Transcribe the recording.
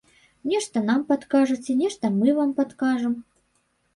Нешта нам падкажаце, нешта мы вам падкажам.